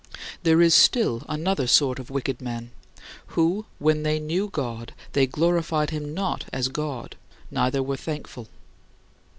There is still another sort of wicked men, who "when they knew God, they glorified him not as God, neither were thankful."